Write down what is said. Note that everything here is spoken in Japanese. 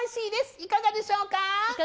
いかがでしょうか。